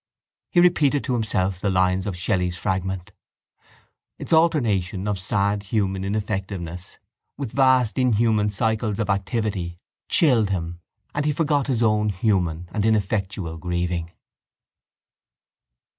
He repeated to himself the lines of Shelley's fragment. Its alternation of sad human ineffectiveness with vast inhuman cycles of activity chilled him and he forgot his own human and ineffectual grieving.